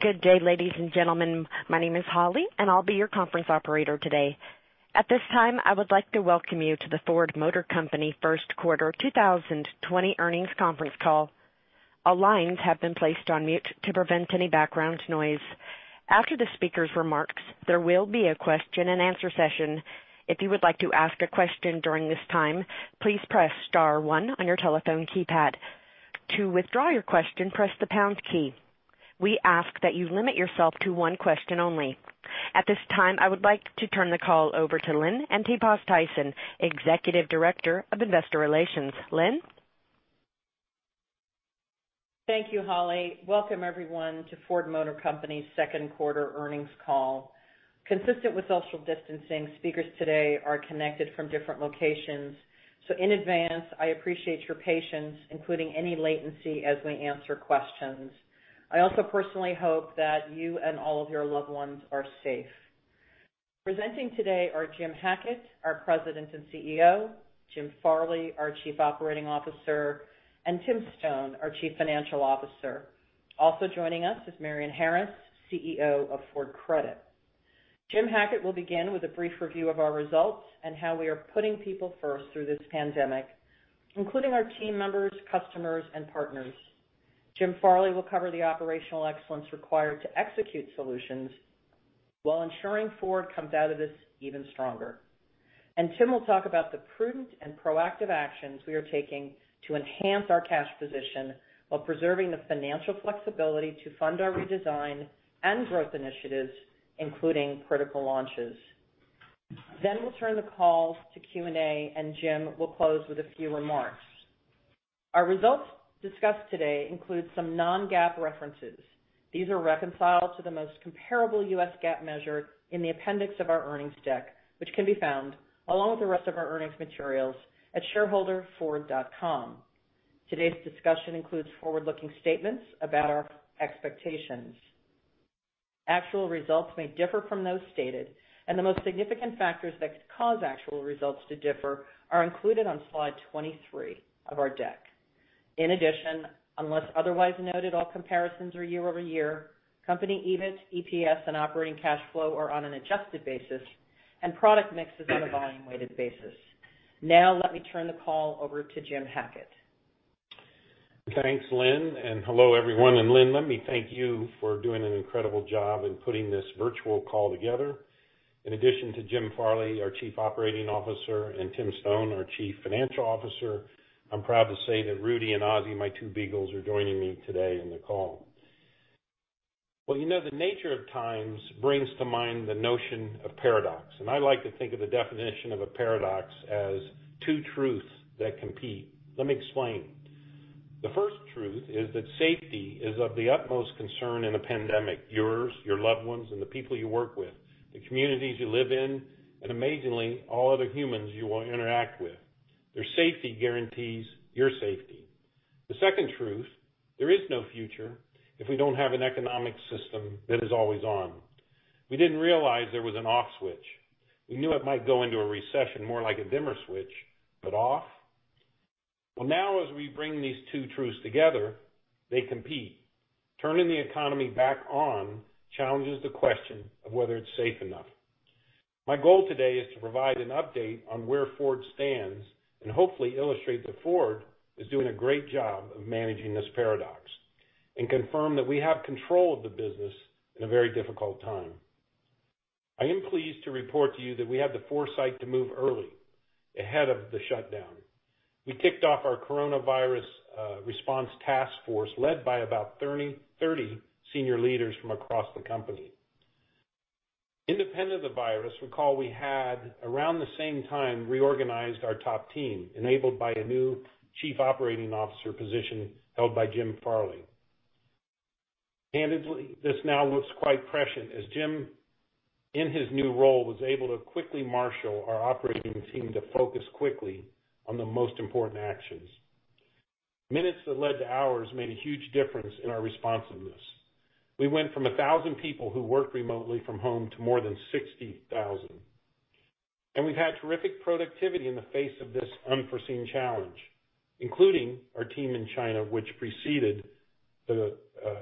Good day, ladies and gentlemen. My name is Holly. I'll be your conference operator today. At this time, I would like to welcome you to the Ford Motor Company first quarter 2020 earnings conference call. All lines have been placed on mute to prevent any background noise. After the speaker's remarks, there will be a question-and-answer session. If you would like to ask a question during this time, please press star one on your telephone keypad. To withdraw your question, press the pound key. We ask that you limit yourself to one question only. At this time, I would like to turn the call over to Lynn Antipas Tyson, Executive Director of Investor Relations. Lynn? Thank you, Holly. Welcome, everyone, to Ford Motor Company's second quarter earnings call. Consistent with social distancing, speakers today are connected from different locations. In advance, I appreciate your patience, including any latency as we answer questions. I also personally hope that you and all of your loved ones are safe. Presenting today are Jim Hackett, our President and CEO, Jim Farley, our Chief Operating Officer, and Tim Stone, our Chief Financial Officer. Also joining us is Marion Harris, CEO of Ford Credit. Jim Hackett will begin with a brief review of our results and how we are putting people first through this pandemic, including our team members, customers, and partners. Jim Farley will cover the operational excellence required to execute solutions while ensuring Ford comes out of this even stronger. Tim will talk about the prudent and proactive actions we are taking to enhance our cash position while preserving the financial flexibility to fund our redesign and growth initiatives, including critical launches. We'll turn the call to Q&A, and Jim will close with a few remarks. Our results discussed today include some non-GAAP references. These are reconciled to the most comparable U.S. GAAP measure in the appendix of our earnings deck, which can be found along with the rest of our earnings materials at [shareholder.ford.com]. Today's discussion includes forward-looking statements about our expectations. Actual results may differ from those stated, and the most significant factors that could cause actual results to differ are included on slide 23 of our deck. In addition, unless otherwise noted, all comparisons are year-over-year. Company EBIT, EPS, and operating cash flow are on an adjusted basis, and product mix is on a volume-weighted basis. Now let me turn the call over to Jim Hackett. Thanks, Lynn, hello, everyone. Lynn, let me thank you for doing an incredible job in putting this virtual call together. In addition to Jim Farley, our Chief Operating Officer, and Tim Stone, our Chief Financial Officer, I'm proud to say that Rudy and Ozzy, my two beagles, are joining me today on the call. Well, you know, the nature of times brings to mind the notion of paradox, and I like to think of the definition of a paradox as two truths that compete. Let me explain. The first truth is that safety is of the utmost concern in a pandemic, yours, your loved ones, and the people you work with, the communities you live in, and amazingly, all other humans you will interact with. Their safety guarantees your safety. The second truth, there is no future if we don't have an economic system that is always on. We didn't realize there was an off switch. We knew it might go into a recession more like a dimmer switch, but off? Well, now as we bring these two truths together, they compete. Turning the economy back on challenges the question of whether it's safe enough. My goal today is to provide an update on where Ford stands and hopefully illustrate that Ford is doing a great job of managing this paradox and confirm that we have control of the business in a very difficult time. I am pleased to report to you that we had the foresight to move early ahead of the shutdown. We kicked off our coronavirus response task force led by about 30 senior leaders from across the company. Independent of the virus, recall we had around the same time reorganized our top team, enabled by a new Chief Operating Officer position held by Jim Farley. Candidly, this now looks quite prescient as Jim, in his new role, was able to quickly marshal our operating team to focus quickly on the most important actions. Minutes that led to hours made a huge difference in our responsiveness. We went from 1,000 people who worked remotely from home to more than 60,000. We've had terrific productivity in the face of this unforeseen challenge, including our team in China, which preceded the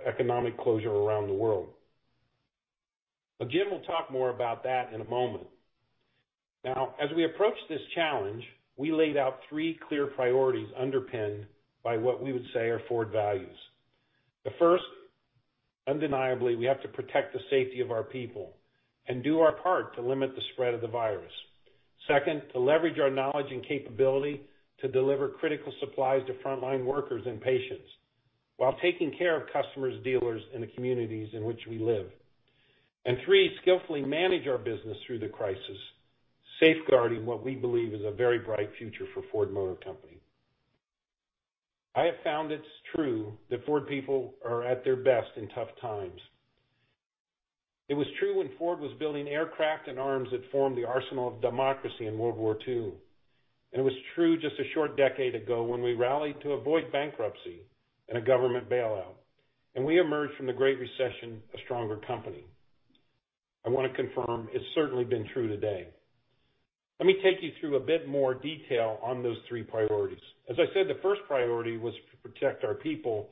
economic closure around the world. Jim will talk more about that in a moment. Now, as we approach this challenge, we laid out three clear priorities underpinned by what we would say are Ford values. The first, undeniably, we have to protect the safety of our people and do our part to limit the spread of the virus. Second, to leverage our knowledge and capability to deliver critical supplies to frontline workers and patients while taking care of customers, dealers, and the communities in which we live. Three, skillfully manage our business through the crisis, safeguarding what we believe is a very bright future for Ford Motor Company. I have found it's true that Ford people are at their best in tough times. It was true when Ford was building aircraft and arms that formed the arsenal of democracy in World War II, and it was true just a short decade ago when we rallied to avoid bankruptcy and a government bailout, and we emerged from the Great Recession a stronger company. I want to confirm it's certainly been true today. Let me take you through a bit more detail on those three priorities. As I said, the first priority was to protect our people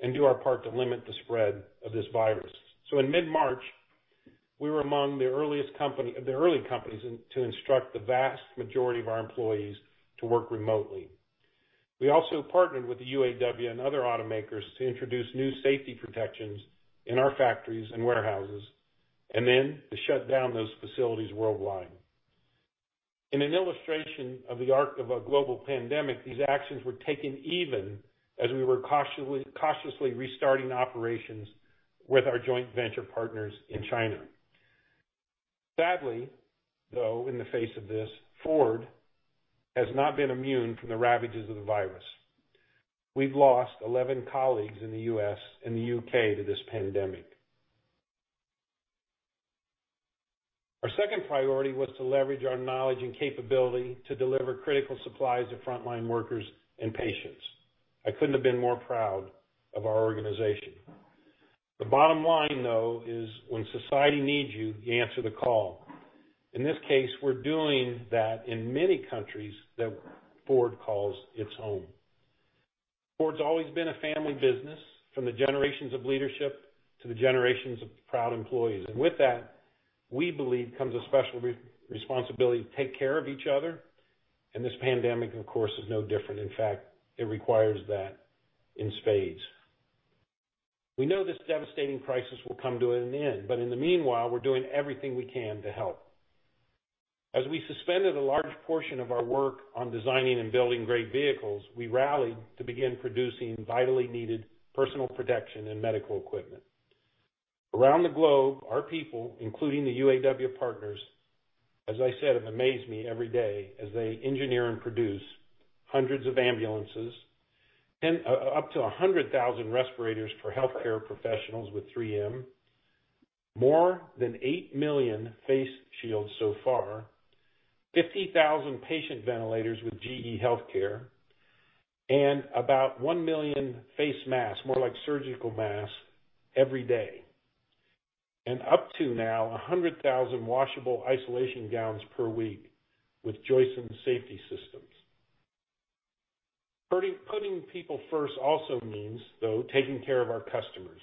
and do our part to limit the spread of this virus. In mid-March, we were among the early companies to instruct the vast majority of our employees to work remotely. We also partnered with the UAW and other automakers to introduce new safety protections in our factories and warehouses, and then to shut down those facilities worldwide. In an illustration of the arc of a global pandemic, these actions were taken even as we were cautiously restarting operations with our joint venture partners in China. Sadly, though, in the face of this, Ford has not been immune from the ravages of the virus. We've lost 11 colleagues in the U.S. and the U.K. to this pandemic. Our second priority was to leverage our knowledge and capability to deliver critical supplies to frontline workers and patients. I couldn't have been more proud of our organization. The bottom line, though, is when society needs you answer the call. In this case, we're doing that in many countries that Ford calls its home. Ford's always been a family business from the generations of leadership to the generations of proud employees. With that, we believe comes a special responsibility to take care of each other, and this pandemic, of course, is no different. In fact, it requires that in spades. We know this devastating crisis will come to an end, but in the meanwhile, we're doing everything we can to help. As we suspended a large portion of our work on designing and building great vehicles, we rallied to begin producing vitally needed personal protection and medical equipment. Around the globe, our people, including the UAW partners, as I said, have amazed me every day as they engineer and produce hundreds of ambulances, up to 100,000 respirators for healthcare professionals with 3M, more than 8 million face shields so far, 50,000 patient ventilators with GE Healthcare, and about 1 million face masks, more like surgical masks, every day. Up to now, 100,000 washable isolation gowns per week with Joyson Safety Systems. Putting people first also means, though, taking care of our customers.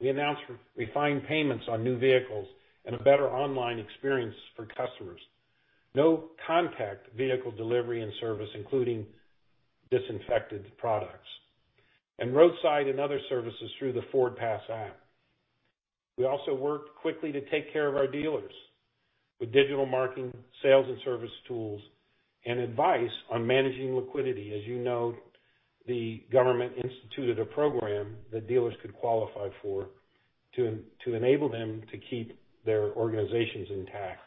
We announced refined payments on new vehicles and a better online experience for customers. No contact vehicle delivery and service, including disinfected products. Roadside and other services through the FordPass app. We also worked quickly to take care of our dealers with digital marketing, sales, and service tools and advice on managing liquidity. As you know, the government instituted a program that dealers could qualify for to enable them to keep their organizations intact.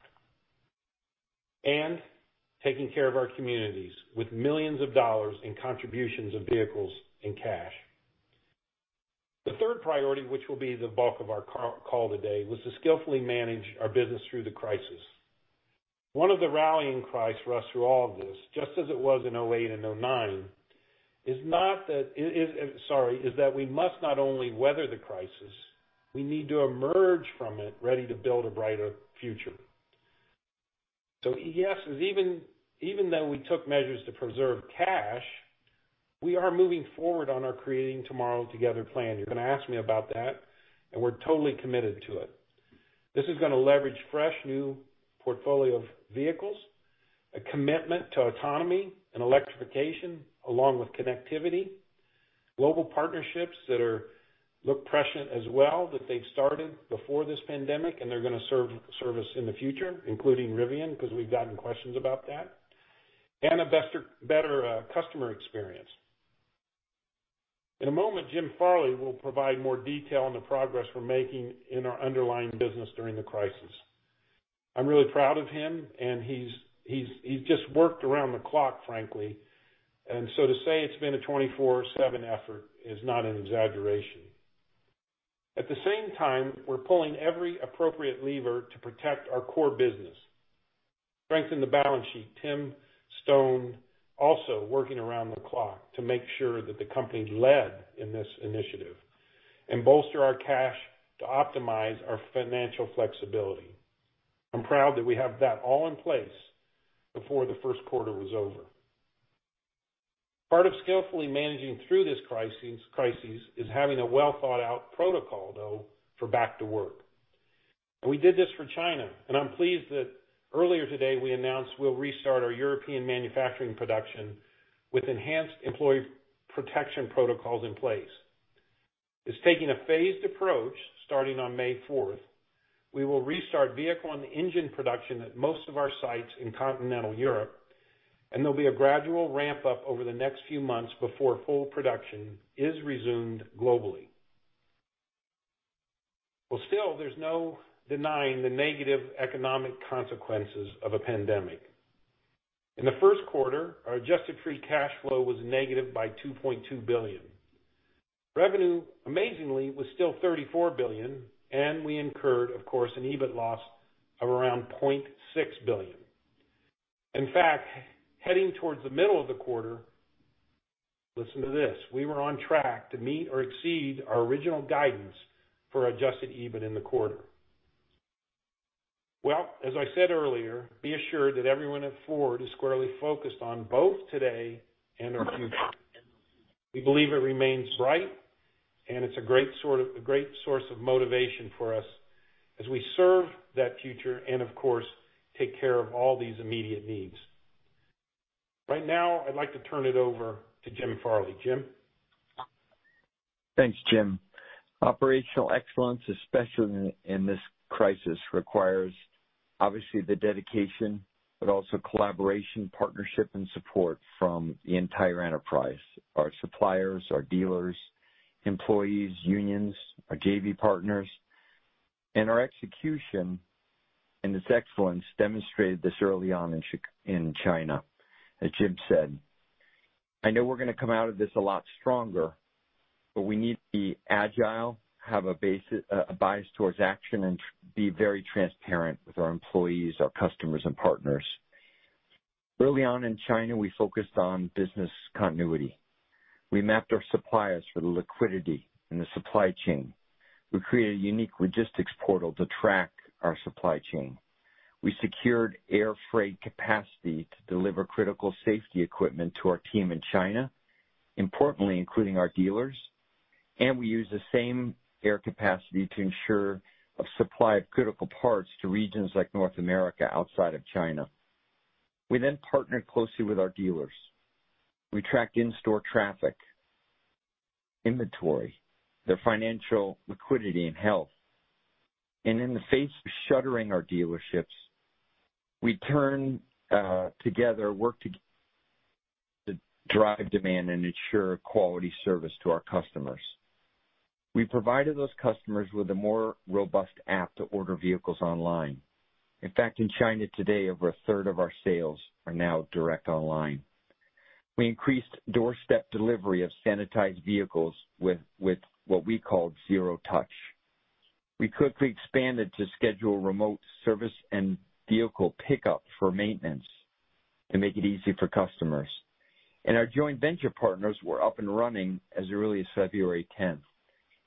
Taking care of our communities with millions of dollars in contributions of vehicles and cash. The third priority, which will be the bulk of our call today, was to skillfully manage our business through the crisis. One of the rallying cries for us through all of this, just as it was in 2008 and 2009, is that we must not only weather the crisis, we need to emerge from it ready to build a brighter future. Yes, even though we took measures to preserve cash, we are moving forward on our Creating Tomorrow Together plan. You're going to ask me about that, and we're totally committed to it. This is going to leverage fresh, new portfolio of vehicles, a commitment to autonomy and electrification along with connectivity, global partnerships that look prescient as well, that they've started before this pandemic, and they're going to serve us in the future, including Rivian because we've gotten questions about that, and a better customer experience. In a moment, Jim Farley will provide more detail on the progress we're making in our underlying business during the crisis. I'm really proud of him and he's just worked around the clock, frankly. To say it's been a 24/7 effort is not an exaggeration. At the same time, we're pulling every appropriate lever to protect our core business. Strengthen the balance sheet. Tim Stone also working around the clock to make sure that the company led in this initiative and bolster our cash to optimize our financial flexibility. I'm proud that we have that all in place before the first quarter was over. Part of skillfully managing through this crisis is having a well-thought-out protocol, though, for back to work. We did this for China, and I'm pleased that earlier today we announced we'll restart our European manufacturing production with enhanced employee protection protocols in place. It's taking a phased approach starting on May 4th. We will restart vehicle and engine production at most of our sites in continental Europe, and there'll be a gradual ramp-up over the next few months before full production is resumed globally. Well, still, there's no denying the negative economic consequences of a pandemic. In the first quarter, our adjusted free cash flow was negative by $2.2 billion. Revenue, amazingly, was still $34 billion, and we incurred, of course, an EBIT loss of around $0.6 billion. In fact, heading towards the middle of the quarter. Listen to this: We were on track to meet or exceed our original guidance for adjusted EBIT in the quarter. Well, as I said earlier, be assured that everyone at Ford is squarely focused on both today and our future. We believe it remains bright, and it's a great source of motivation for us as we serve that future and of course, take care of all these immediate needs. Right now, I'd like to turn it over to Jim Farley. Jim? Thanks, Jim. Operational excellence, especially in this crisis, requires obviously the dedication but also collaboration, partnership, and support from the entire enterprise, our suppliers, our dealers, employees, unions, our JV partners, and our execution, and its excellence demonstrated this early on in China, as Jim said. I know we're going to come out of this a lot stronger, but we need to be agile, have a bias towards action, and be very transparent with our employees, our customers, and partners. Early on in China, we focused on business continuity. We mapped our suppliers for the liquidity in the supply chain. We created a unique logistics portal to track our supply chain. We secured air freight capacity to deliver critical safety equipment to our team in China, importantly, including our dealers. We used the same air capacity to ensure supply of critical parts to regions like North America outside of China. We partnered closely with our dealers. We tracked in-store traffic, inventory, their financial liquidity, and health. In the face of shuttering our dealerships, we turned together, worked together to drive demand and ensure quality service to our customers. We provided those customers with a more robust app to order vehicles online. In fact, in China today, over 1/3 of our sales are now direct online. We increased doorstep delivery of sanitized vehicles with what we called zero touch. We quickly expanded to schedule remote service and vehicle pickup for maintenance to make it easy for customers. Our joint venture partners were up and running as early as February 10th.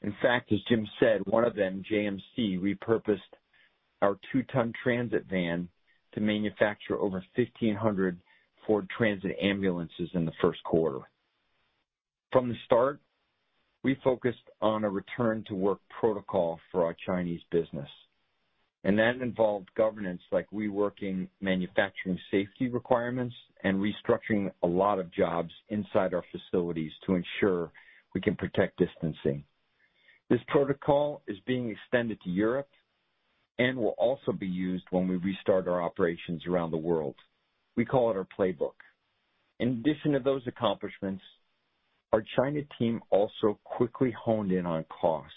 In fact, as Jim said, one of them, JMC, repurposed our two-ton Transit van to manufacture over 1,500 Ford Transit ambulances in the first quarter. From the start, we focused on a return-to-work protocol for our Chinese business, and that involved governance like reworking manufacturing safety requirements and restructuring a lot of jobs inside our facilities to ensure we can protect distancing. This protocol is being extended to Europe and will also be used when we restart our operations around the world. We call it our playbook. In addition to those accomplishments, our China team also quickly honed in on costs.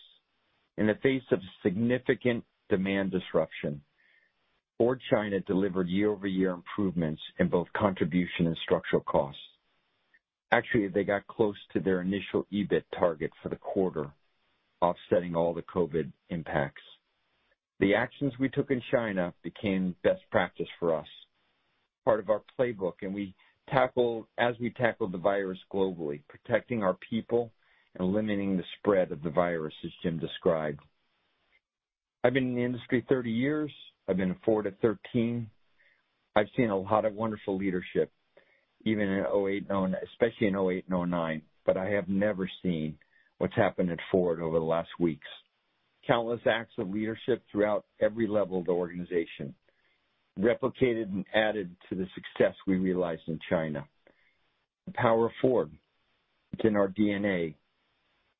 In the face of significant demand disruption, Ford China delivered year-over-year improvements in both contribution and structural costs. Actually, they got close to their initial EBIT target for the quarter, offsetting all the COVID impacts. The actions we took in China became best practice for us, part of our playbook, and as we tackle the virus globally, protecting our people and limiting the spread of the virus as Jim described. I've been in the industry 30 years. I've been at Ford at 13. I've seen a lot of wonderful leadership, especially in 2008 and 2009, but I have never seen what's happened at Ford over the last weeks. Countless acts of leadership throughout every level of the organization, replicated and added to the success we realized in China. The power of Ford, it's in our DNA,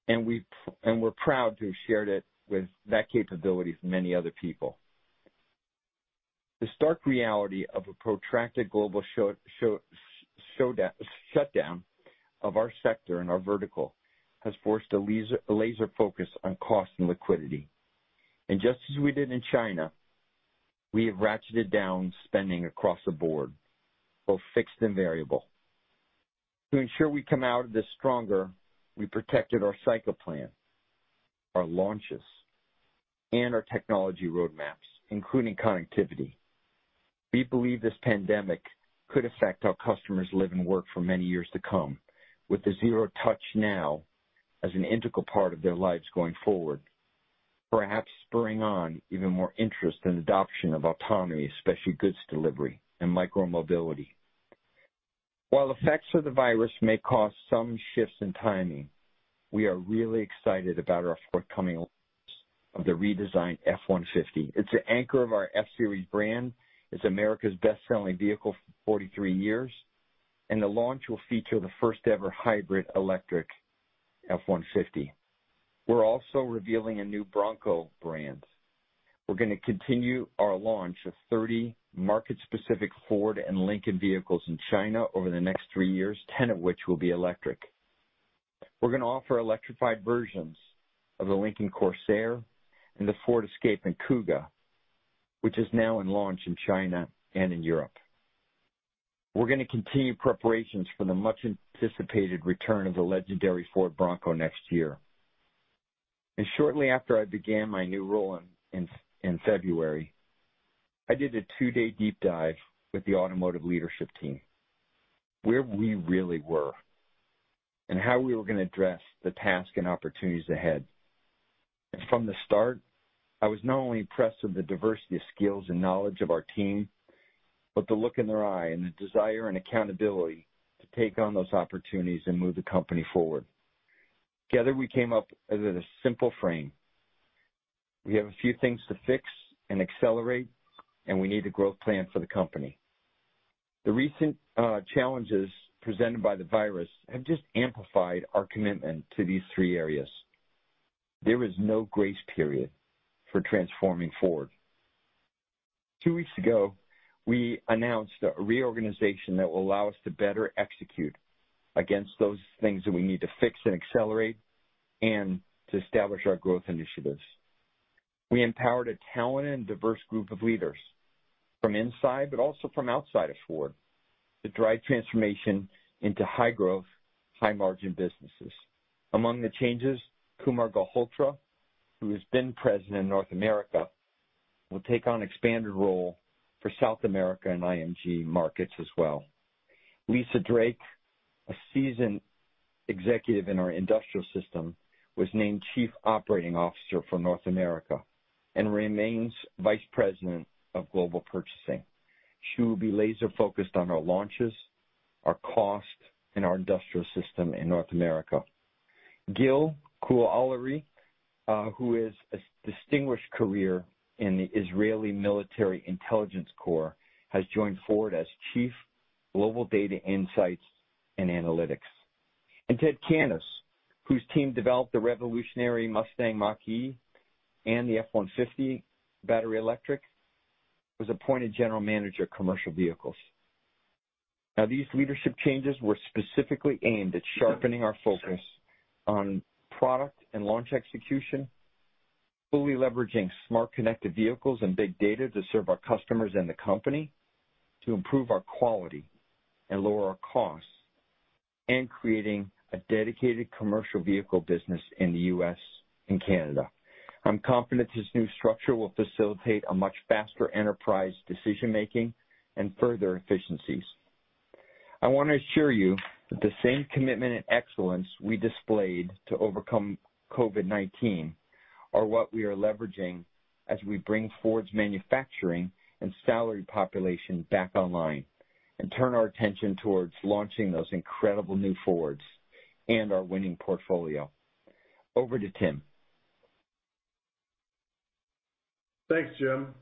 and we're proud to have shared it with that capability for many other people. The stark reality of a protracted global shutdown of our sector and our vertical has forced a laser focus on cost and liquidity. Just as we did in China, we have ratcheted down spending across the board, both fixed and variable. To ensure we come out of this stronger, we protected our cycle plan, our launches, and our technology roadmaps, including connectivity. We believe this pandemic could affect how customers live and work for many years to come with the zero touch now as an integral part of their lives going forward, perhaps spurring on even more interest and adoption of autonomy, especially goods delivery and micro-mobility. While effects of the virus may cause some shifts in timing, we are really excited about our forthcoming of the redesigned F-150. It's the anchor of our F-Series brand. It's America's best-selling vehicle for 43 years, and the launch will feature the first-ever hybrid electric F-150. We're also revealing a new Bronco brand. We're going to continue our launch of 30 market-specific Ford and Lincoln vehicles in China over the next three years, 10 of which will be electric. We're going to offer electrified versions of the Lincoln Corsair and the Ford Escape and Kuga, which is now in launch in China and in Europe. We're going to continue preparations for the much-anticipated return of the legendary Ford Bronco next year. Shortly after I began my new role in February, I did a two-day deep dive with the Automotive leadership team, where we really were, and how we were going to address the task and opportunities ahead. From the start, I was not only impressed with the diversity of skills and knowledge of our team, but the look in their eye and the desire and accountability to take on those opportunities and move the company forward. Together, we came up with a simple frame. We have a few things to fix and accelerate, and we need a growth plan for the company. The recent challenges presented by the virus have just amplified our commitment to these three areas. There is no grace period for transforming Ford. Two weeks ago, we announced a reorganization that will allow us to better execute against those things that we need to fix and accelerate and to establish our growth initiatives. We empowered a talented and diverse group of leaders from inside, but also from outside of Ford, to drive transformation into high growth, high margin businesses. Among the changes, Kumar Galhotra, who has been President of North America, will take on expanded role for South America and IMG markets as well. Lisa Drake, a seasoned executive in our industrial system, was named Chief Operating Officer for North America and remains Vice President of Global Purchasing. She will be laser focused on our launches, our cost, and our industrial system in North America. Gil Gur Arie, who has a distinguished career in the Israeli Military Intelligence Corps, has joined Ford as Chief Global Data Insights and Analytics. Ted Cannis, whose team developed the revolutionary Mustang Mach-E and the F-150 battery electric, was appointed General Manager, Commercial Vehicles. Now, these leadership changes were specifically aimed at sharpening our focus on product and launch execution, fully leveraging smart connected vehicles and big data to serve our customers and the company, to improve our quality and lower our costs, and creating a dedicated commercial vehicle business in the U.S. and Canada. I'm confident this new structure will facilitate a much faster enterprise decision-making and further efficiencies. I want to assure you that the same commitment and excellence we displayed to overcome COVID-19 are what we are leveraging as we bring Ford's manufacturing and salary population back online and turn our attention towards launching those incredible new Fords and our winning portfolio. Over to Tim. Thanks, Jim.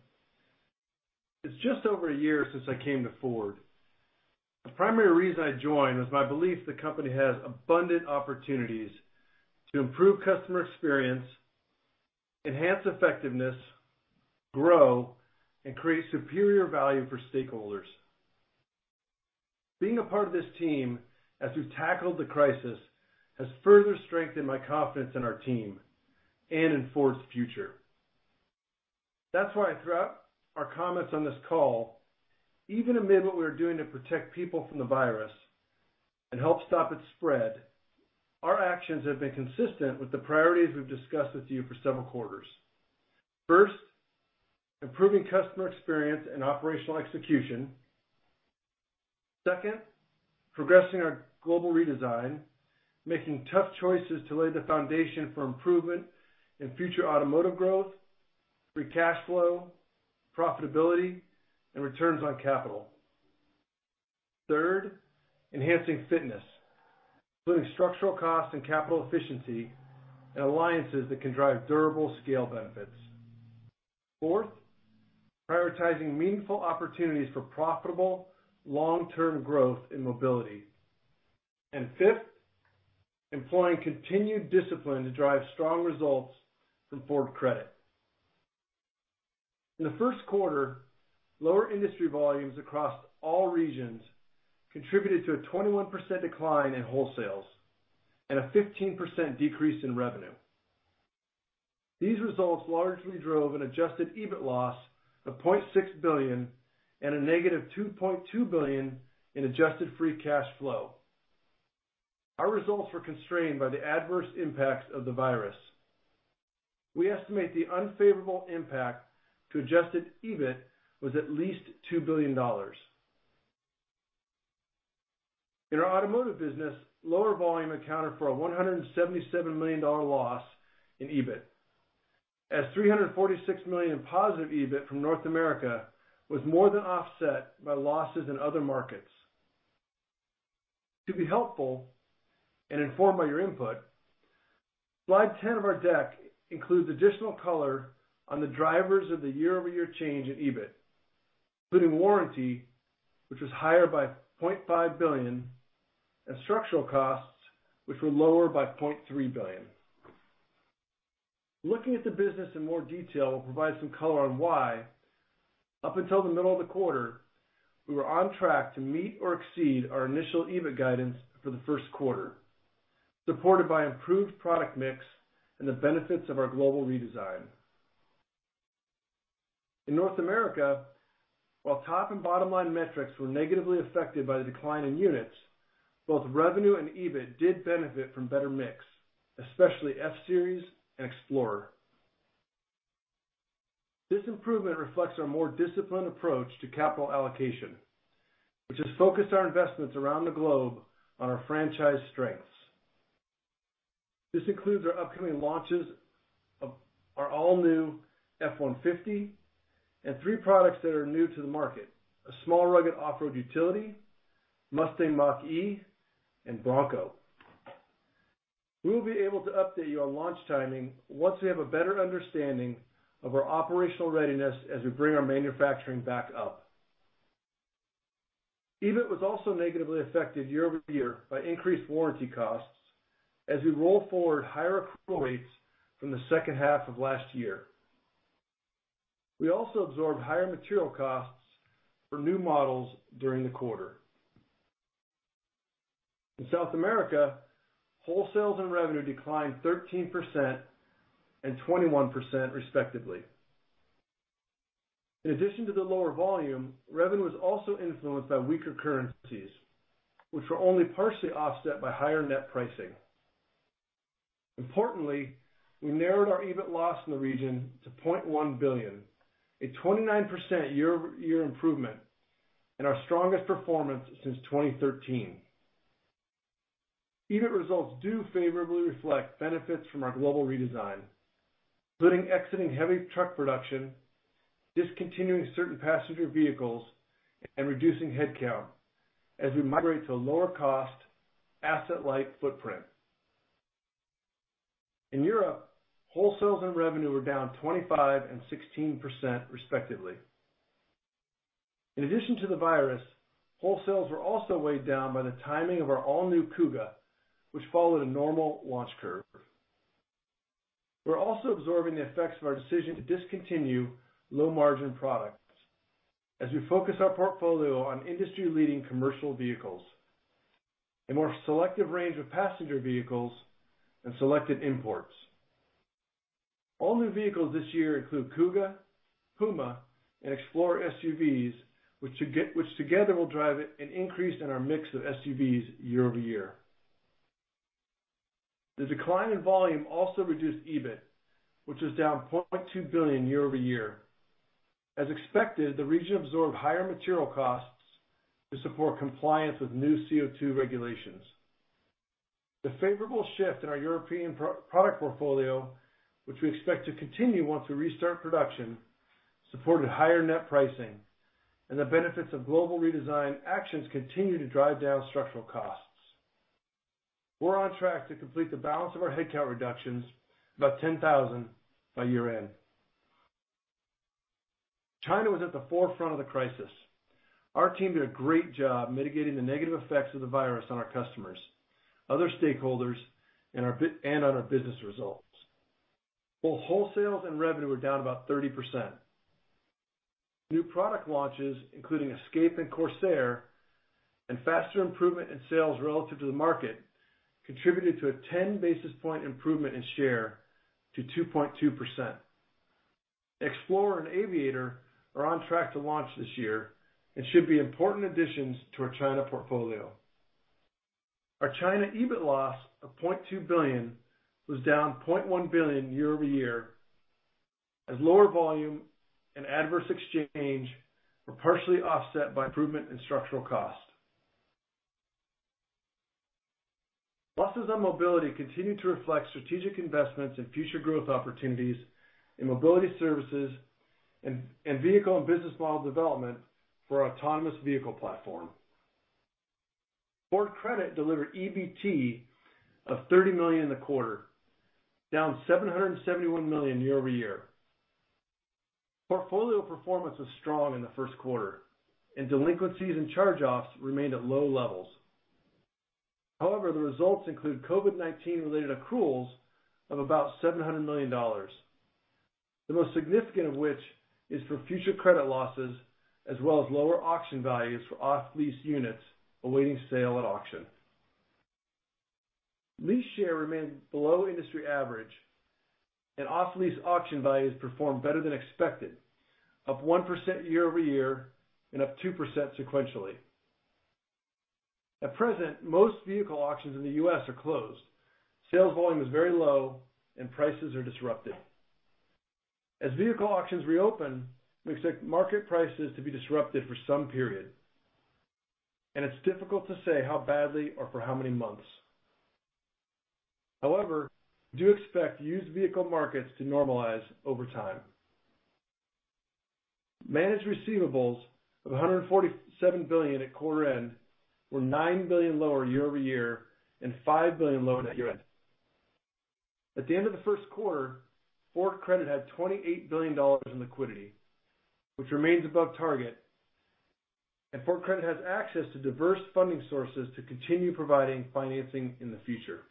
It's just over a year since I came to Ford. The primary reason I joined was my belief the company has abundant opportunities to improve customer experience, enhance effectiveness, grow, and create superior value for stakeholders. Being a part of this team as we've tackled the crisis has further strengthened my confidence in our team and in Ford's future. That's why throughout our comments on this call, even amid what we're doing to protect people from the virus and help stop its spread, our actions have been consistent with the priorities we've discussed with you for several quarters. First, improving customer experience and operational execution. Second, progressing our global redesign, making tough choices to lay the foundation for improvement in future Automotive growth, free cash flow, profitability, and returns on capital. Third, enhancing fitness, including structural cost and capital efficiency and alliances that can drive durable scale benefits. Fourth, prioritizing meaningful opportunities for profitable long-term growth in Mobility. Fifth, employing continued discipline to drive strong results from Ford Credit. In the first quarter, lower industry volumes across all regions contributed to a 21% decline in wholesales and a 15% decrease in revenue. These results largely drove an adjusted EBIT loss of $0.6 billion and a -$2.2 billion in adjusted free cash flow. Our results were constrained by the adverse impacts of the virus. We estimate the unfavorable impact to adjusted EBIT was at least $2 billion. In our Automotive business, lower volume accounted for a $177 million loss in EBIT, as $346 million positive EBIT from North America was more than offset by losses in other markets. To be helpful and informed by your input, slide 10 of our deck includes additional color on the drivers of the year-over-year change in EBIT, including warranty, which was higher by $0.5 billion, and structural costs, which were lower by $0.3 billion. Looking at the business in more detail will provide some color on why, up until the middle of the quarter, we were on track to meet or exceed our initial EBIT guidance for the first quarter, supported by improved product mix and the benefits of our global redesign. In North America, while top and bottom line metrics were negatively affected by the decline in units, both revenue and EBIT did benefit from better mix, especially F-Series and Explorer. This improvement reflects our more disciplined approach to capital allocation, which has focused our investments around the globe on our franchise strengths. This includes our upcoming launches of our all-new F-150 and three products that are new to the market, a small, rugged off-road utility, Mustang Mach-E, and Bronco. We will be able to update you on launch timing once we have a better understanding of our operational readiness as we bring our manufacturing back up. EBIT was also negatively affected year-over-year by increased warranty costs as we roll forward higher accrual rates from the second half of last year. We also absorbed higher material costs for new models during the quarter. In South America, wholesales and revenue declined 13% and 21% respectively. In addition to the lower volume, revenue was also influenced by weaker currencies, which were only partially offset by higher net pricing. Importantly, we narrowed our EBIT loss in the region to $0.1 billion, a 29% year-over-year improvement and our strongest performance since 2013. EBIT results do favorably reflect benefits from our global redesign, including exiting heavy truck production, discontinuing certain passenger vehicles, and reducing headcount as we migrate to a lower cost asset-light footprint. In Europe, wholesales and revenue were down 25% and 16% respectively. In addition to the virus, wholesales were also weighed down by the timing of our all-new Kuga, which followed a normal launch curve. We're also absorbing the effects of our decision to discontinue low-margin products as we focus our portfolio on industry-leading commercial vehicles, a more selective range of passenger vehicles, and selected imports. All new vehicles this year include Kuga, Puma, and Explorer SUVs, which together will drive an increase in our mix of SUVs year-over-year. The decline in volume also reduced EBIT, which was down $0.2 billion year-over-year. As expected, the region absorbed higher material costs to support compliance with new CO2 regulations. The favorable shift in our European product portfolio, which we expect to continue once we restart production, supported higher net pricing, and the benefits of global redesign actions continue to drive down structural costs. We're on track to complete the balance of our headcount reductions, about 10,000, by year-end. China was at the forefront of the crisis. Our team did a great job mitigating the negative effects of the virus on our customers, other stakeholders, and on our business results. Both wholesales and revenue were down about 30%. New product launches, including Escape and Corsair, and faster improvement in sales relative to the market contributed to a 10 basis points improvement in share to 2.2%. Explorer and Aviator are on track to launch this year and should be important additions to our China portfolio. Our China EBIT loss of $0.2 billion was down $0.1 billion year-over-year as lower volume and adverse exchange were partially offset by improvement in structural cost. Losses on Mobility continue to reflect strategic investments in future growth opportunities in Mobility services and vehicle and business model development for our autonomous vehicle platform. Ford Credit delivered EBT of $30 million in the quarter, down $771 million year-over-year. Portfolio performance was strong in the first quarter, and delinquencies and charge-offs remained at low levels. However, the results include COVID-19 related accruals of about $700 million, the most significant of which is for future credit losses, as well as lower auction values for off-lease units awaiting sale at auction. Lease share remained below industry average, and off-lease auction values performed better than expected, up 1% year-over-year and up 2% sequentially. At present, most vehicle auctions in the U.S. are closed. Sales volume is very low and prices are disrupted. As vehicle auctions reopen, we expect market prices to be disrupted for some period, and it's difficult to say how badly or for how many months. However, we do expect used vehicle markets to normalize over time. Managed receivables of $147 billion at quarter end were $9 billion lower year-over-year and $5 billion lower than at year-end. At the end of the first quarter, Ford Credit had $28 billion in liquidity, which remains above target, and Ford Credit has access to diverse funding sources to continue providing financing in the future.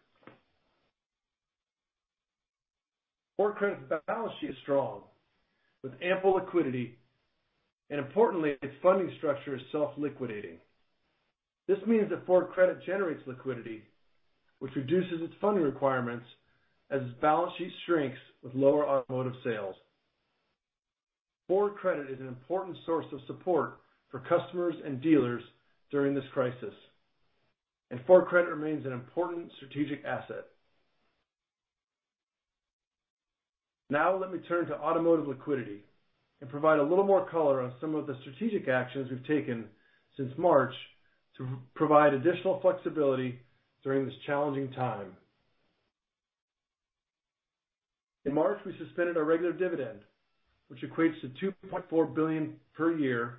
Ford Credit's balance sheet is strong with ample liquidity, and importantly, its funding structure is self-liquidating. This means that Ford Credit generates liquidity, which reduces its funding requirements as its balance sheet shrinks with lower Automotive sales. Ford Credit is an important source of support for customers and dealers during this crisis, and Ford Credit remains an important strategic asset. Let me turn to Automotive liquidity and provide a little more color on some of the strategic actions we've taken since March to provide additional flexibility during this challenging time. In March, we suspended our regular dividend, which equates to $2.4 billion per year.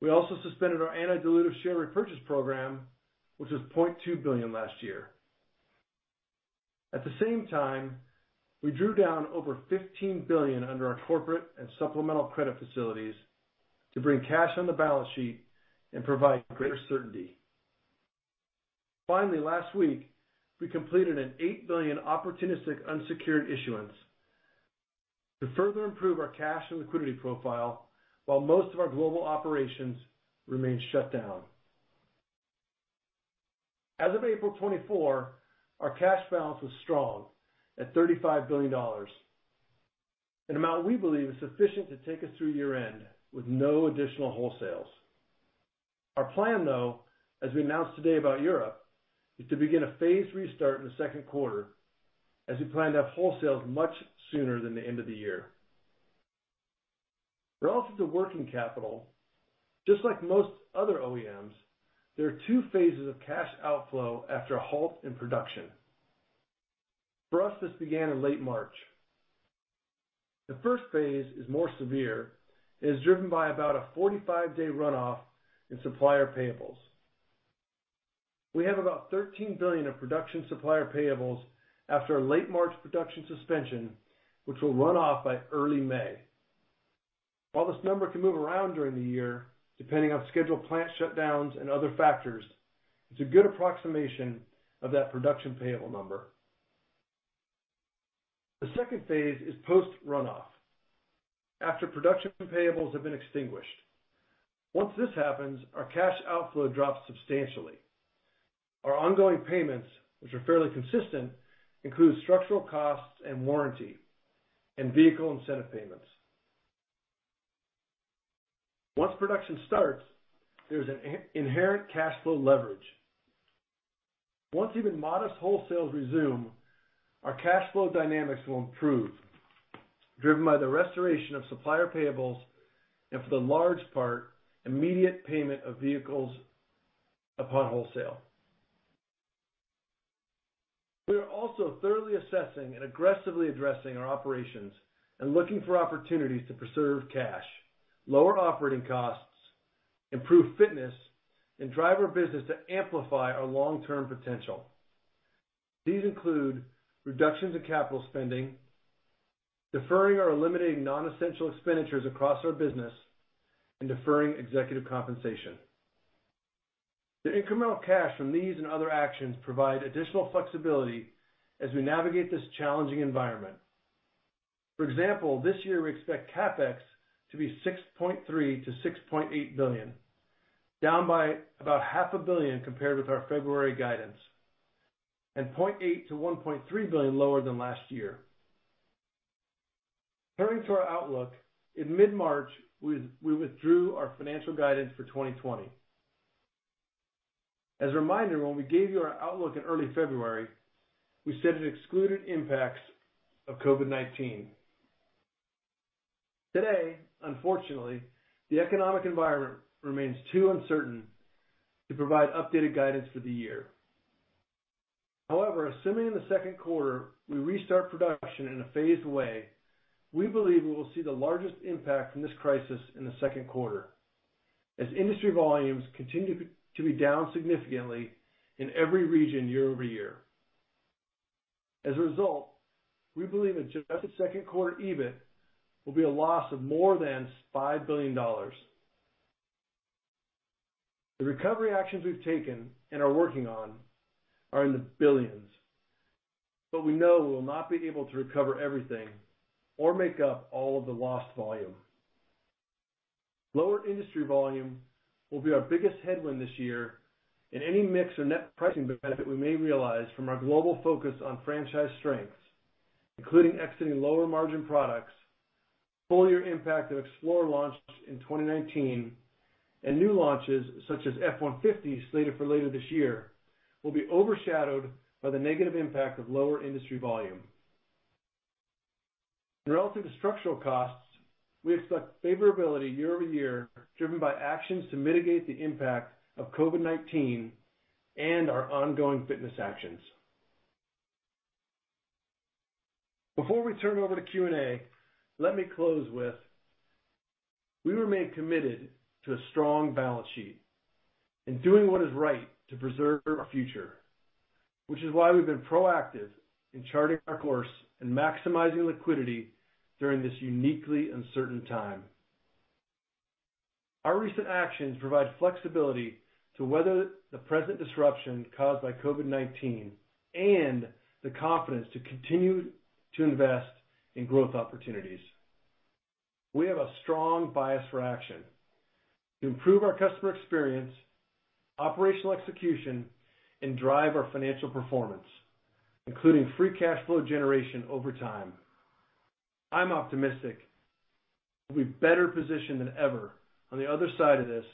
We also suspended our anti-dilutive share repurchase program, which was $0.2 billion last year. At the same time, we drew down over $15 billion under our corporate and supplemental credit facilities to bring cash on the balance sheet and provide greater certainty. Finally, last week, we completed an $8 billion opportunistic unsecured issuance to further improve our cash and liquidity profile while most of our global operations remain shut down. As of April 24, our cash balance was strong at $35 billion, an amount we believe is sufficient to take us through year-end with no additional wholesales. Our plan, though, as we announced today about Europe, is to begin a phased restart in the second quarter as we plan to have wholesales much sooner than the end of the year. Relative to working capital, just like most other OEMs, there are two phases of cash outflow after a halt in production. For us, this began in late March. The first phase is more severe and is driven by about a 45-day runoff in supplier payables. We have about $13 billion of production supplier payables after a late March production suspension, which will run off by early May. While this number can move around during the year, depending on scheduled plant shutdowns and other factors, it's a good approximation of that production payable number. The second phase is post-runoff, after production payables have been extinguished. Once this happens, our cash outflow drops substantially. Our ongoing payments, which are fairly consistent, include structural costs and warranty and vehicle incentive payments. Once production starts, there's an inherent cash flow leverage. Once even modest wholesales resume, our cash flow dynamics will improve, driven by the restoration of supplier payables and, for the large part, immediate payment of vehicles upon wholesale. We are also thoroughly assessing and aggressively addressing our operations and looking for opportunities to preserve cash, lower operating costs, improve fitness, and drive our business to amplify our long-term potential. These include reductions in capital spending, deferring or eliminating non-essential expenditures across our business, and deferring executive compensation. The incremental cash from these and other actions provide additional flexibility as we navigate this challenging environment. For example, this year we expect CapEx to be $6.3 billion-$6.8 billion, down by about $500 million compared with our February guidance, and $0.8 billion-$1.3 billion lower than last year. Turning to our outlook, in mid-March, we withdrew our financial guidance for 2020. As a reminder, when we gave you our outlook in early February, we said it excluded impacts of COVID-19. Today, unfortunately, the economic environment remains too uncertain to provide updated guidance for the year. However, assuming in the second quarter we restart production in a phased way, we believe we will see the largest impact from this crisis in the second quarter as industry volumes continue to be down significantly in every region year-over-year. As a result, we believe adjusted second quarter EBIT will be a loss of more than $5 billion. The recovery actions we've taken and are working on are in the billions, but we know we will not be able to recover everything or make up all of the lost volume. Lower industry volume will be our biggest headwind this year, and any mix or net pricing benefit we may realize from our global focus on franchise strengths, including exiting lower margin products, full year impact of Explorer launched in 2019, and new launches such as F-150 slated for later this year will be overshadowed by the negative impact of lower industry volume. Relative to structural costs, we expect favorability year-over-year driven by actions to mitigate the impact of COVID-19 and our ongoing fitness actions. Before we turn over to Q&A, let me close with we remain committed to a strong balance sheet and doing what is right to preserve our future, which is why we've been proactive in charting our course and maximizing liquidity during this uniquely uncertain time. Our recent actions provide flexibility to weather the present disruption caused by COVID-19 and the confidence to continue to invest in growth opportunities. We have a strong bias for action to improve our customer experience, operational execution, and drive our financial performance, including free cash flow generation over time. I'm optimistic we'll be better positioned than ever on the other side of this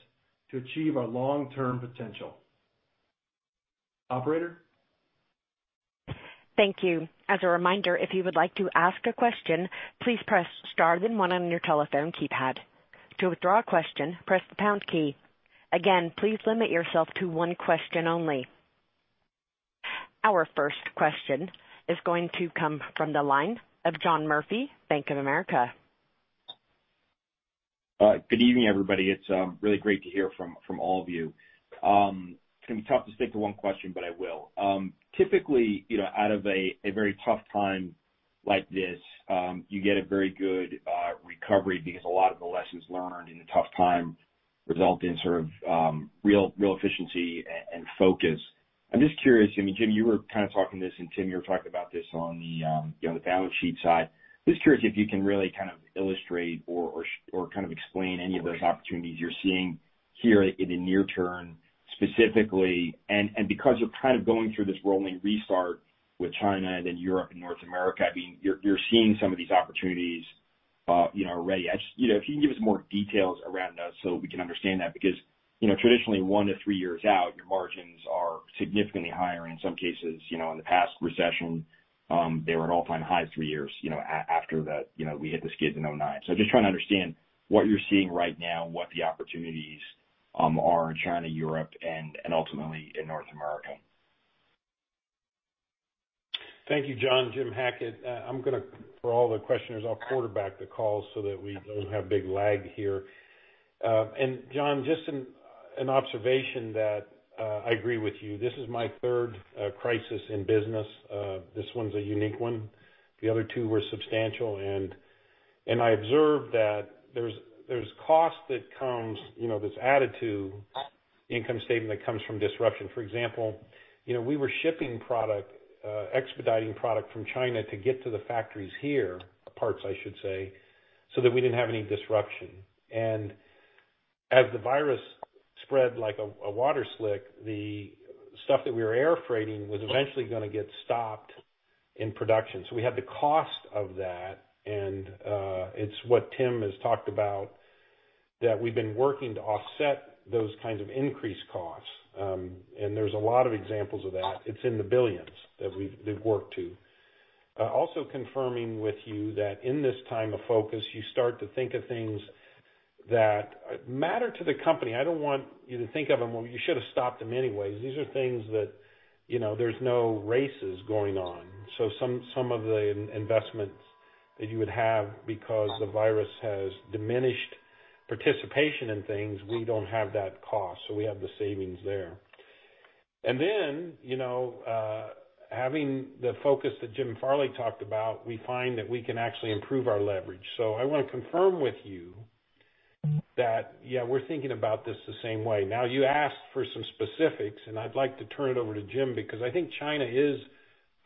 to achieve our long-term potential. Operator? Thank you. As a reminder, if you would like to ask a question, please press star then one on your telephone keypad. To withdraw a question, press the pound key. Again, please limit yourself to one question only. Our first question is going to come from the line of John Murphy, Bank of America. Good evening, everybody. It's really great to hear from all of you. It's going to be tough to stick to one question, but I will. Typically, out of a very tough time like this, you get a very good recovery because a lot of the lessons learned in the tough time result in sort of, real efficiency and focus. I'm just curious, I mean, Jim, you were kind of talking to this, and Tim, you were talking about this on the balance sheet side. Just curious if you can really kind of illustrate or kind of explain any of those opportunities you're seeing here in the near term, specifically, and because you're kind of going through this rolling restart with China, then Europe and North America, I mean, you're seeing some of these opportunities already. If you can give us more details around those so we can understand that, because traditionally one to three years out, your margins are significantly higher. In some cases, in the past recession, they were at all-time highs three years after that we hit the skids in 2009. Just trying to understand what you're seeing right now and what the opportunities are in China, Europe, and ultimately in North America. Thank you, John. Jim Hackett. I'm going to, for all the questioners, I'll quarterback the call so that we don't have big lag here. John, just an observation that I agree with you. This is my third crisis in business. This one's a unique one. The other two were substantial, and I observed that there's cost that comes, that's added to the income statement that comes from disruption. For example, we were shipping product, expediting product from China to get to the factories here, parts I should say, so that we didn't have any disruption. As the virus spread like a water slick, the stuff that we were air freighting was eventually going to get stopped in production. We had the cost of that, and it's what Tim has talked about, that we've been working to offset those kinds of increased costs. There's a lot of examples of that. It's in the billions that we've worked to. Confirming with you that in this time of focus, you start to think of things that matter to the company. I don't want you to think of them, well, you should have stopped them anyways. These are things that there's no races going on. Some of the investments that you would have because the virus has diminished participation in things, we don't have that cost. We have the savings there. Then, having the focus that Jim Farley talked about, we find that we can actually improve our leverage. I want to confirm with you that, yeah, we're thinking about this the same way. You asked for some specifics, and I'd like to turn it over to Jim because I think China is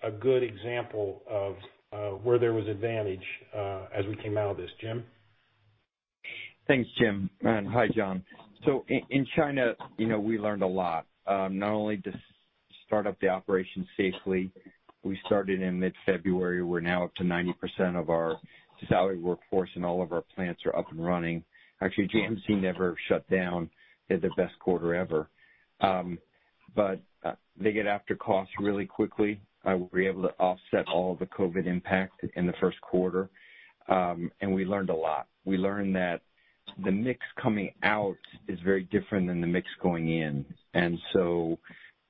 a good example of where there was advantage as we came out of this. Jim? Thanks, Jim. Hi, John. In China, we learned a lot. Not only to start up the operation safely, we started in mid-February, we're now up to 90% of our salaried workforce, and all of our plants are up and running. Actually, JMC never shut down. They had the best quarter ever. They get after costs really quickly. We were able to offset all the COVID impact in the first quarter. We learned a lot. We learned that the mix coming out is very different than the mix going in.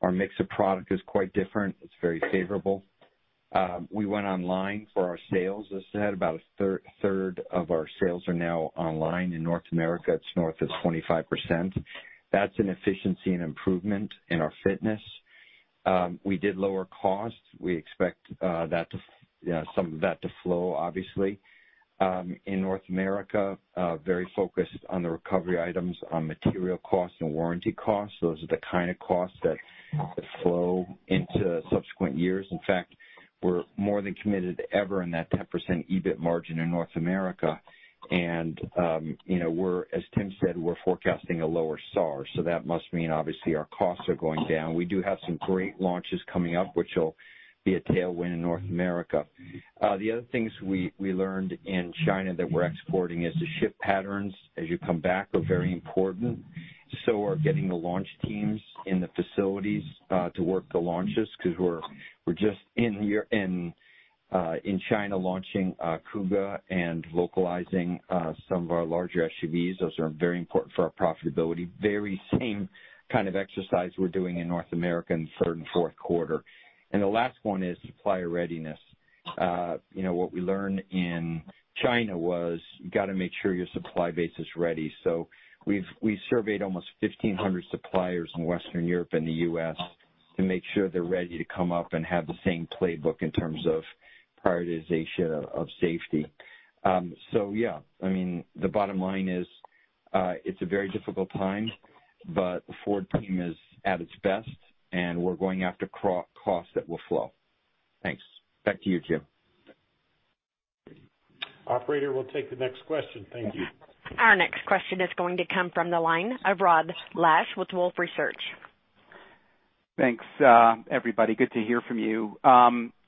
Our mix of product is quite different. It's very favorable. We went online for our sales. As I said, about 1/3 of our sales are now online. In North America, it's north of 25%. That's an efficiency and improvement in our fitness. We did lower costs. We expect some of that to flow, obviously. In North America, very focused on the recovery items on material costs and warranty costs. Those are the kind of costs that flow into subsequent years. In fact, we're more than committed ever in that 10% EBIT margin in North America. As Tim said, we're forecasting a lower SAAR, so that must mean obviously our costs are going down. We do have some great launches coming up, which will be a tailwind in North America. The other things we learned in China that we're exporting is the ship patterns as you come back are very important. Are getting the launch teams in the facilities to work the launches because we're just in China launching Kuga and localizing some of our larger SUVs. Those are very important for our profitability. Very same kind of exercise we're doing in North America in third and fourth quarter. The last one is supplier readiness. What we learned in China was you got to make sure your supply base is ready. We've surveyed almost 1,500 suppliers in Western Europe and the U.S. to make sure they're ready to come up and have the same playbook in terms of prioritization of safety. Yeah. I mean, the bottom line is, it's a very difficult time, but the Ford team is at its best, and we're going after costs that will flow. Thanks. Back to you, Jim. Operator, we'll take the next question. Thank you. Our next question is going to come from the line of Rod Lache with Wolfe Research. Thanks, everybody. Good to hear from you.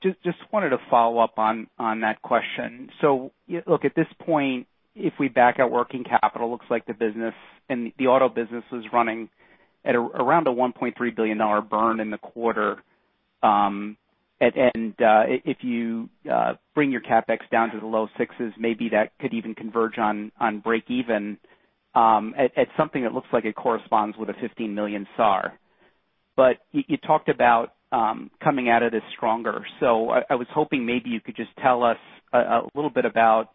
Just wanted to follow up on that question. Look, at this point, if we back out working capital, looks like the business and the auto business is running at around a $1.3 billion burn in the quarter. If you bring your CapEx down to the low sixes, maybe that could even converge on break even at something that looks like it corresponds with a 15 million SAAR. You talked about coming out of this stronger. I was hoping maybe you could just tell us a little bit about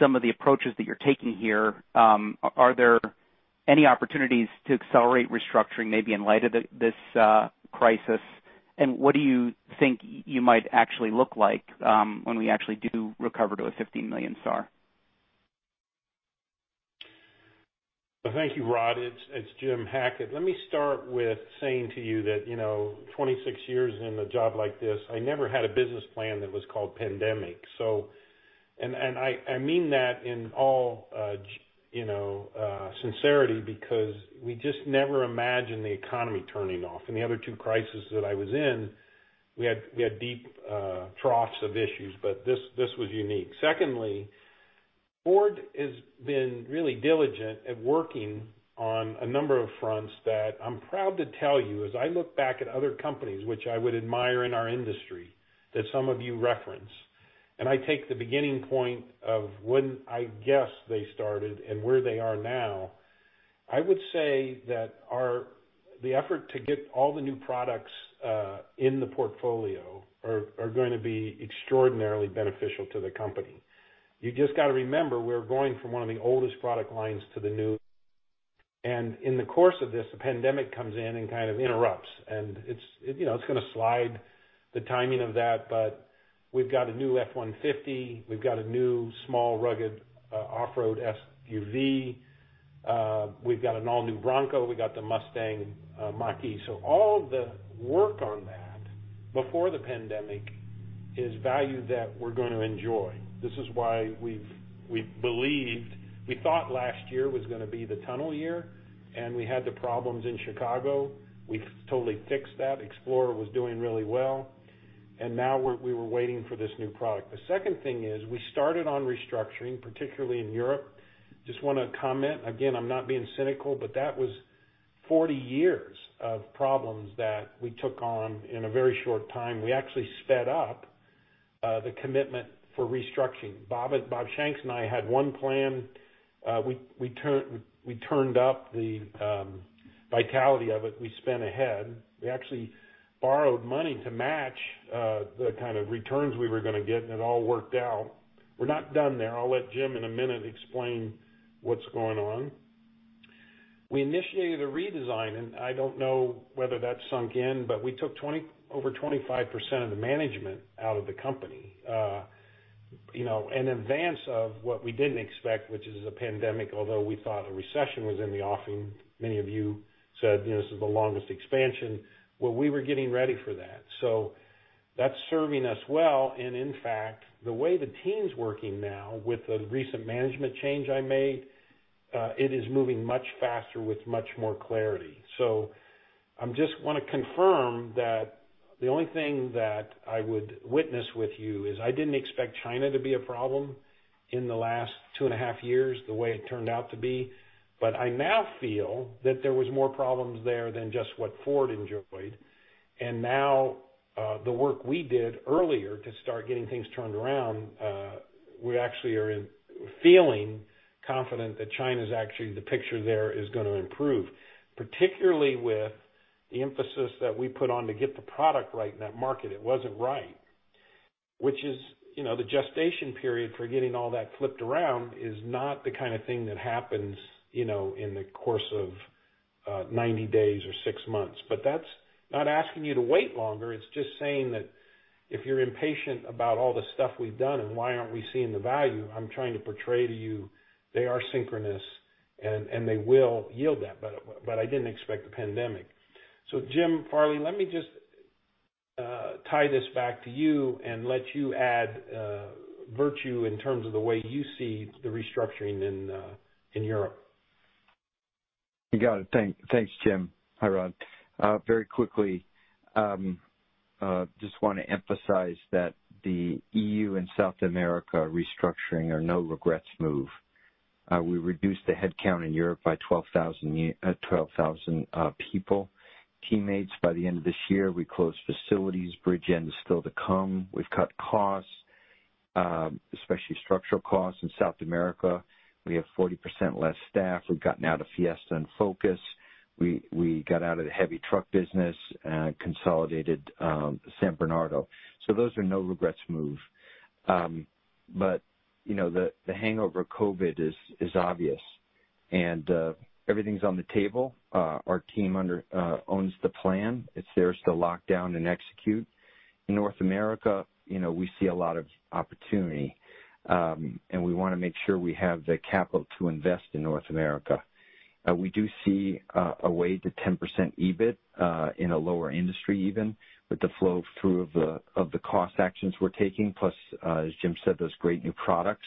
some of the approaches that you're taking here. Are there any opportunities to accelerate restructuring, maybe in light of this crisis? What do you think you might actually look like when we actually do recover to a 15 million SAAR? Thank you, Rod. It's Jim Hackett. Let me start with saying to you that, 26 years in a job like this, I never had a business plan that was called pandemic. I mean that in all sincerity, because we just never imagined the economy turning off. In the other two crises that I was in, we had deep troughs of issues, this was unique. Secondly, Ford has been really diligent at working on a number of fronts that I'm proud to tell you as I look back at other companies, which I would admire in our industry, that some of you reference. I take the beginning point of when I guess they started and where they are now. I would say that the effort to get all the new products in the portfolio are going to be extraordinarily beneficial to the company. You just got to remember, we're going from one of the oldest product lines to the new. In the course of this, the pandemic comes in and kind of interrupts, and it's going to slide the timing of that. We've got a new F-150, we've got a new small, rugged off-road SUV. We've got an all-new Bronco. We got the Mustang Mach-E. All the work on that before the pandemic is value that we're going to enjoy. This is why we've believed, we thought last year was going to be the tunnel year, and we had the problems in Chicago. We've totally fixed that. Explorer was doing really well, and now we were waiting for this new product. The second thing is we started on restructuring, particularly in Europe. Just want to comment, again, I'm not being cynical. That was 40 years of problems that we took on in a very short time. We actually sped up the commitment for restructuring. Bob Shanks and I had one plan. We turned up the vitality of it. We spent ahead. We actually borrowed money to match the kind of returns we were going to get, and it all worked out. We're not done there. I'll let Jim in a minute explain what's going on. We initiated a redesign, and I don't know whether that sunk in, but we took over 25% of the management out of the company in advance of what we didn't expect, which is a pandemic. Although we thought a recession was in the offing. Many of you said this is the longest expansion. Well, we were getting ready for that. That's serving us well. In fact, the way the team's working now with the recent management change I made, it is moving much faster with much more clarity. I just want to confirm that the only thing that I would witness with you is I didn't expect China to be a problem in the last two and a half years the way it turned out to be. I now feel that there was more problems there than just what Ford enjoyed. Now, the work we did earlier to start getting things turned around, we actually are feeling confident that China's actually the picture there is going to improve, particularly with the emphasis that we put on to get the product right in that market. It wasn't right. Which is the gestation period for getting all that flipped around is not the kind of thing that happens in the course of 90 days or six months. That's not asking you to wait longer. It's just saying that if you're impatient about all the stuff we've done and why aren't we seeing the value, I'm trying to portray to you they are synchronous and they will yield that. I didn't expect the pandemic. Jim Farley, let me just tie this back to you and let you add virtue in terms of the way you see the restructuring in Europe. You got it. Thanks, Jim. Hi, Rod. Very quickly, just want to emphasize that the E.U. and South America restructuring are no regrets move. We reduced the headcount in Europe by 12,000 people, teammates by the end of this year. We closed facilities. Bridgend is still to come. We've cut costs, especially structural costs in South America. We have 40% less staff. We've gotten out of Fiesta and Focus. We got out of the heavy truck business, consolidated São Bernardo. Those are no regrets move. The hangover of COVID is obvious and everything's on the table. Our team owns the plan. It's theirs to lock down and execute. In North America, we see a lot of opportunity, and we want to make sure we have the capital to invest in North America. We do see a way to 10% EBIT in a lower industry even with the flow through of the cost actions we're taking. Plus, as Jim said, those great new products.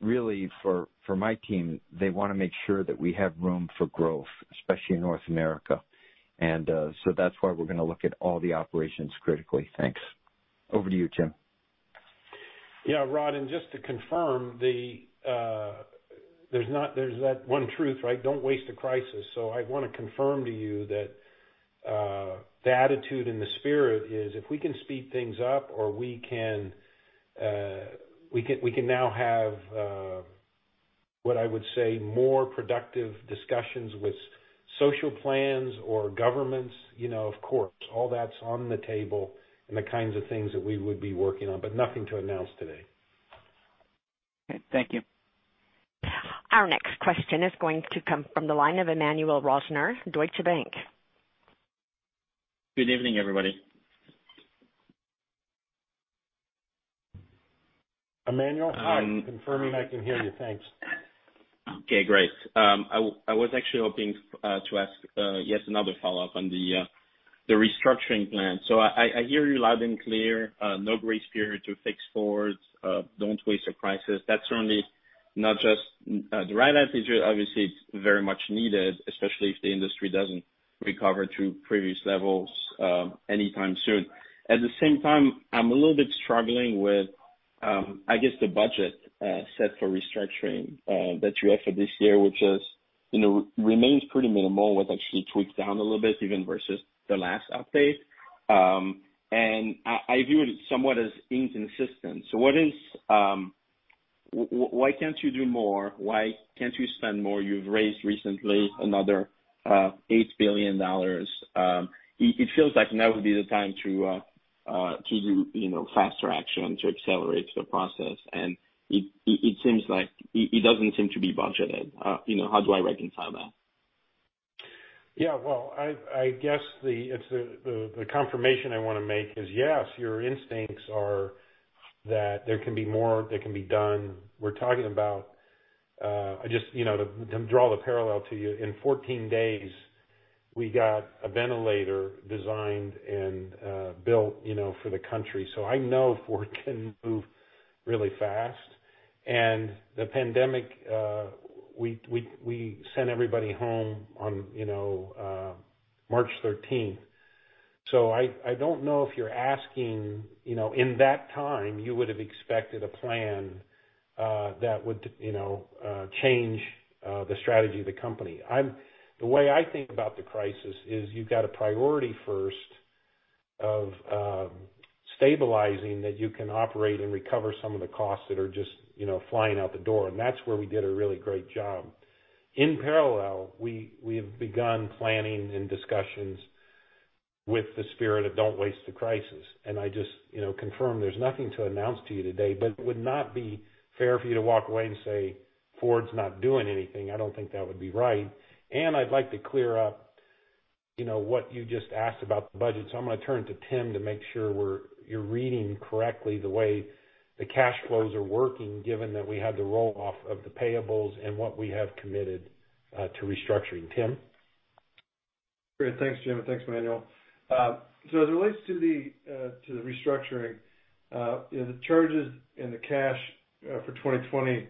Really for my team, they want to make sure that we have room for growth, especially in North America. That's why we're going to look at all the operations critically. Thanks. Over to you, Jim. Rod, just to confirm, there's that one truth, right? Don't waste a crisis. I want to confirm to you that the attitude and the spirit is, if we can speed things up or we can now have, what I would say, more productive discussions with social plans or governments, of course, all that's on the table and the kinds of things that we would be working on, but nothing to announce today. Okay. Thank you. Our next question is going to come from the line of Emmanuel Rosner, Deutsche Bank. Good evening, everybody. Emmanuel, hi. Confirming I can hear you. Thanks. Okay, great. I was actually hoping to ask yet another follow-up on the restructuring plan. I hear you loud and clear. No gray spirit to fix Ford's. Don't waste a crisis. That's certainly not just the right attitude. Obviously, it's very much needed, especially if the industry doesn't recover to previous levels anytime soon. At the same time, I'm a little bit struggling with, I guess, the budget set for restructuring that you have for this year, which remains pretty minimal, was actually tweaked down a little bit even versus the last update. I view it somewhat as inconsistent. Why can't you do more? Why can't you spend more? You've raised recently another $8 billion. It feels like now would be the time to do faster action to accelerate the process, and it doesn't seem to be budgeted. How do I reconcile that? Yeah. Well, I guess the confirmation I want to make is, yes, your instincts are that there can be more that can be done. We're talking about, just to draw the parallel to you, in 14 days, we got a ventilator designed and built for the country. I know Ford can move really fast. The pandemic, we sent everybody home on March 13th. I don't know if you're asking, in that time, you would have expected a plan that would change the strategy of the company. The way I think about the crisis is you've got a priority first of stabilizing that you can operate and recover some of the costs that are just flying out the door. That's where we did a really great job. In parallel, we have begun planning and discussions with the spirit of don't waste a crisis, and I just confirm there's nothing to announce to you today, but it would not be fair for you to walk away and say, "Ford's not doing anything." I don't think that would be right. I'd like to clear up what you just asked about the budget. I'm going to turn to Tim to make sure you're reading correctly the way the cash flows are working, given that we had the roll-off of the payables and what we have committed to restructuring. Tim? Great. Thanks, Jim, and thanks, Emmanuel. As it relates to the restructuring, the charges and the cash for 2020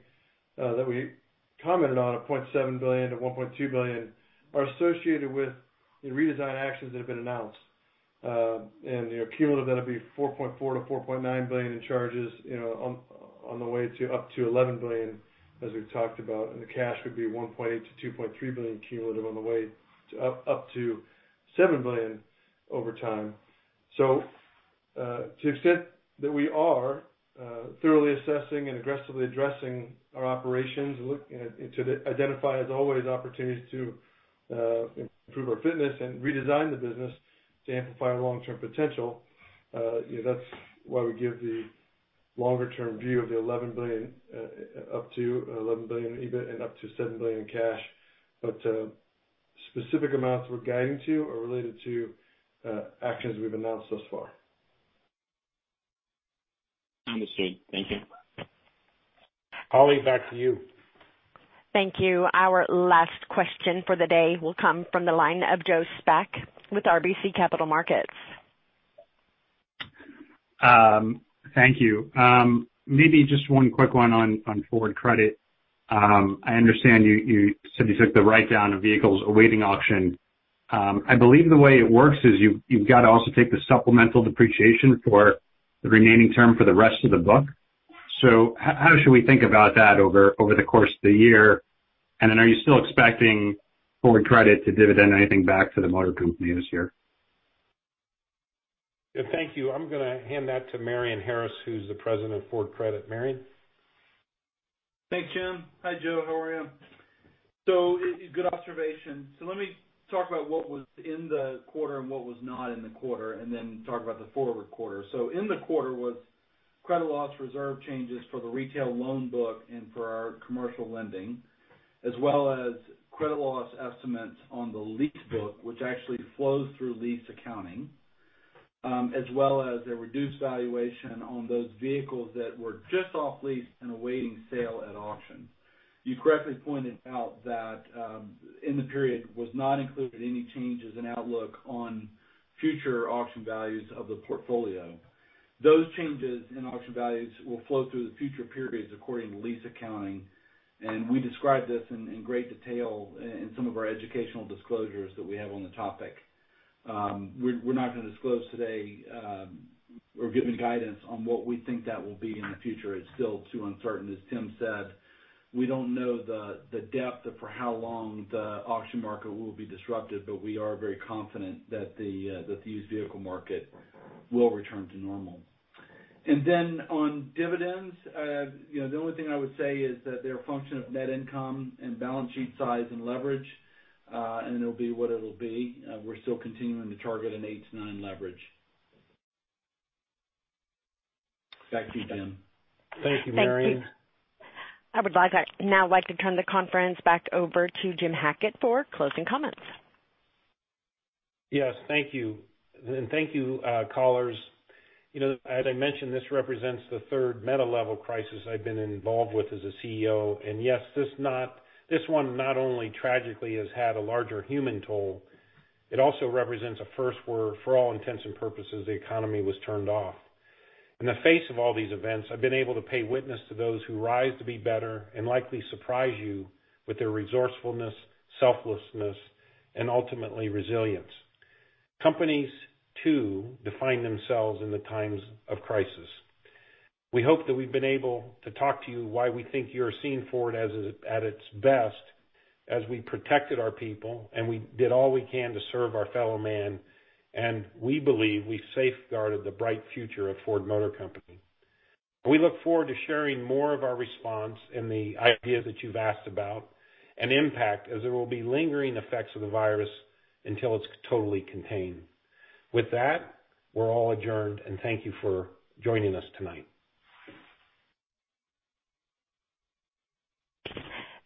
that we commented on of $0.7 billion-$1.2 billion are associated with the redesign actions that have been announced. Cumulative, that'll be $4.4 billion-$4.9 billion in charges on the way to up to $11 billion, as we've talked about, and the cash would be $1.8 billion-$2.3 billion cumulative on the way up to $7 billion over time. To the extent that we are thoroughly assessing and aggressively addressing our operations and looking to identify, as always, opportunities to improve our fitness and redesign the business to amplify our long-term potential, that's why we give the longer-term view of the $11 billion, up to $11 billion EBIT and up to $7 billion in cash. Specific amounts we're guiding to are related to actions we've announced thus far. Understood. Thank you. Holly, back to you. Thank you. Our last question for the day will come from the line of Joe Spak with RBC Capital Markets. Thank you. Maybe just one quick one on Ford Credit. I understand you said you took the write-down of vehicles awaiting auction. I believe the way it works is you've got to also take the supplemental depreciation for the remaining term for the rest of the book. How should we think about that over the course of the year? Are you still expecting Ford Credit to dividend anything back to the motor company this year? Thank you. I'm going to hand that to Marion Harris, who's the President of Ford Credit. Marion? Thanks, Jim. Hi, Joe. How are you? Good observation. Let me talk about what was in the quarter and what was not in the quarter, and then talk about the forward quarter. In the quarter was credit loss reserve changes for the retail loan book and for our commercial lending, as well as credit loss estimates on the lease book, which actually flows through lease accounting, as well as a reduced valuation on those vehicles that were just off lease and awaiting sale at auction. You correctly pointed out that in the period was not included any changes in outlook on future auction values of the portfolio. Those changes in auction values will flow through the future periods according to lease accounting, and we describe this in great detail in some of our educational disclosures that we have on the topic. We're not going to disclose today or give any guidance on what we think that will be in the future. It's still too uncertain, as Tim said. We don't know the depth of for how long the auction market will be disrupted, but we are very confident that the used vehicle market will return to normal. On dividends, the only thing I would say is that they're a function of net income and balance sheet size and leverage, and it'll be what it'll be. We're still continuing to target an eight to nine leverage. Back to you, Jim. Thank you, Marion. Thank you. I would now like to turn the conference back over to Jim Hackett for closing comments. Yes. Thank you. Thank you, callers. As I mentioned, this represents the third meta-level crisis I've been involved with as a CEO. Yes, this one not only tragically has had a larger human toll, it also represents a first where, for all intents and purposes, the economy was turned off. In the face of all these events, I've been able to pay witness to those who rise to be better and likely surprise you with their resourcefulness, selflessness, and ultimately, resilience. Companies, too, define themselves in the times of crisis. We hope that we've been able to talk to you why we think you're seeing Ford at its best as we protected our people, and we did all we can to serve our fellow man, and we believe we safeguarded the bright future of Ford Motor Company. We look forward to sharing more of our response and the ideas that you've asked about and impact as there will be lingering effects of the virus until it's totally contained. With that, we're all adjourned, and thank you for joining us tonight.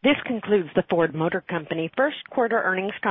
This concludes the Ford Motor Company first quarter earnings call.